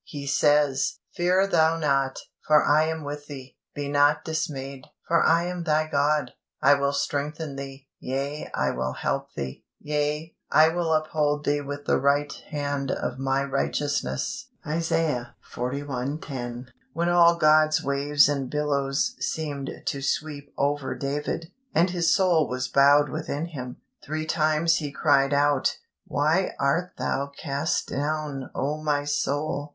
He says: "Fear thou not; for I am with thee: be not dismayed; for I am thy God: I will strengthen thee; yea, I will help thee; yea, I will uphold thee with the right hand of My righteousness" (Isaiah xli. 10). When all God's waves and billows seemed to sweep over David, and his soul was bowed within him, three times he cried out: "Why art thou cast down, O my soul?